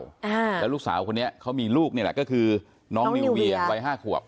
อ่าแล้วลูกสาวคนนี้เขามีลูกนี่แหละก็คือน้องนิวเวียวัยห้าขวบ